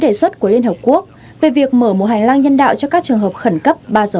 đề xuất của liên hợp quốc về việc mở một hành lang nhân đạo cho các trường hợp khẩn cấp ba giờ